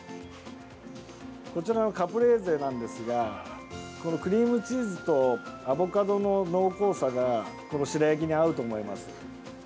こちらはカプレーゼなんですがこのクリームチーズとアボカドの濃厚さがこの白焼きに合うと思います。